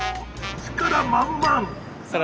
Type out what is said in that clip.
力満々！